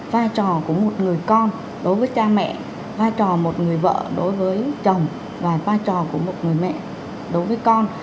va trò của một người con đối với cha mẹ va trò một người vợ đối với chồng và va trò của một người mẹ đối với con